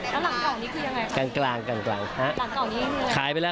แล้วหลังกล่องนี้คือยังไงครับ